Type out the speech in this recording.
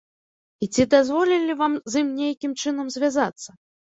І ці дазволілі вам з ім нейкім чынам звязацца?